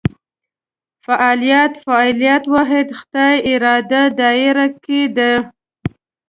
فعالیت فاعلیت واحد خدای ارادې دایره کې دي.